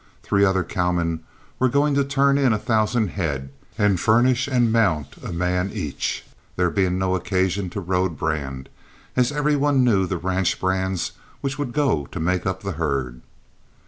Three other cowmen were going to turn in a thousand head and furnish and mount a man each, there being no occasion to road brand, as every one knew the ranch, brands which would go to make up the herd.